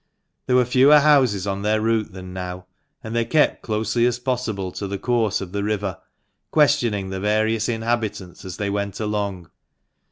There were fewer houses on their route than now, and they kept closely as possible to the course of the river, questioning the various inhabitants as they went along.